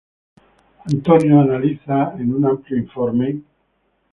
Antonio analiza en un amplio informe